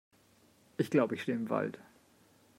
Ich glaube, ich stehe im Wald!